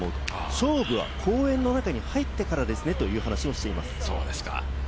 勝負は公園の中に入ってからですねという話をしています。